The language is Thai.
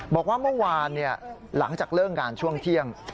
บอกว่าเมื่อวานหลังจากเลิกงานช่วงเที่ยง